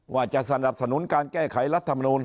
ว่าจะสนับสนุนการแก้ไขรัฐมนูล